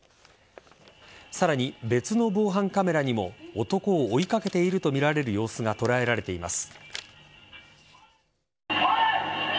さらに、別の防犯カメラにも男を追いかけているとみられる様子が捉えられています。